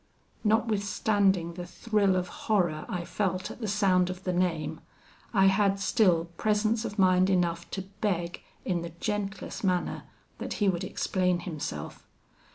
Notwithstanding the thrill of horror I felt at the sound of the name, I had still presence of mind enough to beg, in the gentlest manner, that he would explain himself.